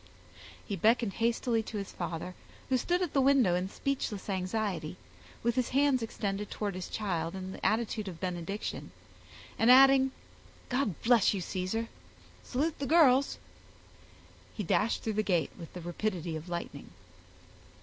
He beckoned hastily to his father, who stood at the window in speechless anxiety, with his hands extended towards his child in the attitude of benediction, and adding, "God bless you, Caesar, salute the girls," he dashed through the gate with the rapidity of lightning.